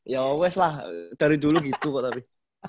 ya wawes lah dari dulu gitu kok tapi